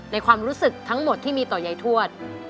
ความรู้สึกทั้งหมดที่มีต่อยายทวด